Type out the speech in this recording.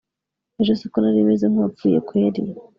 ejo se ko narimeze nkuwapfuye kweli